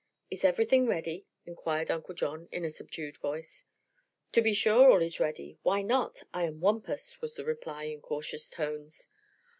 "Is everything ready?" inquired Uncle John in a subdued voice. "To be sure all is ready. Why not? I am Wampus!" was the reply, in cautious tones.